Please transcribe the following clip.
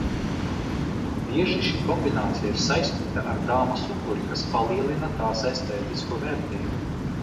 Bieži šī kombinācija ir saistīta ar dāmas upuri, kas palielina tās estētisko vērtību.